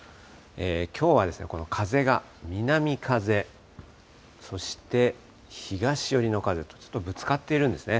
きょうはこの風が南風、そして東寄りの風と、ちょっとぶつかっているんですね。